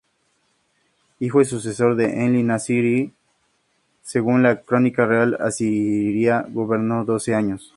Hijo y sucesor de Enlil-nasir I, según la "Crónica real" asiria gobernó doce años.